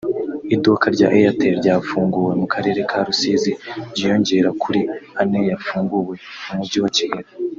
Iduka rya Airtel ryafunguwe mu karere ka Rusizi ryiyongerakuri ane yafunguwe mu mujyi wa Kigali